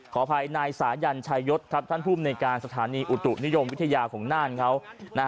ขอภัยนายสายัญชายศครับท่านผู้บัญชาสถานีอุตุนิยมวิทยาของน่านครับ